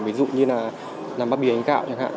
ví dụ như là làm bát bìa ánh gạo chẳng hạn